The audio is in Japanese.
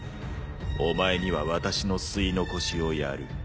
お前には私の吸い残しをやる。